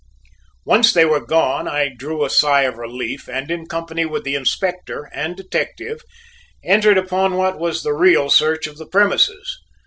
Once they were gone, I drew a sigh of relief and in company with the Inspector and detective entered upon what was the real search of the premises.